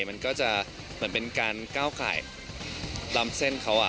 มันก็จะเหมือนเป็นการก้าวไก่ลำเส้นเขา